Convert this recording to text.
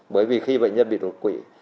bởi vì khi bệnh nhân bị độc quỷ